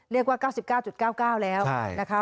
เรียกว่า๙๙๙๙๙แล้วนะคะ